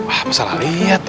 apa salah lihat